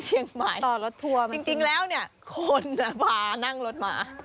เป็นมากับคนใช่มั้ย